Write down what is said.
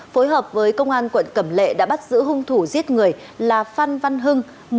phối hợp với công an quận cẩm lệ đã bắt giữ hung thủ giết người là phan văn hưng